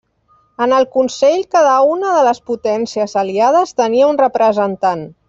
En el Consell cada una de les potències aliades tenia un representant.